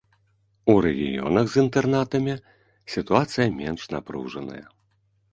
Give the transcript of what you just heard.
У рэгіёнах з інтэрнатамі сітуацыя менш напружаная.